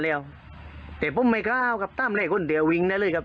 แล้วแต่ผมไม่กล้าเอากับตั้มเลยคนเดียววิ่งได้เลยครับ